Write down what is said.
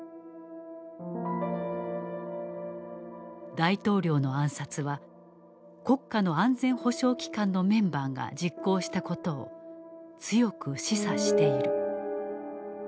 「大統領の暗殺は国家の安全保障機関のメンバーが実行したことを強く示唆している」。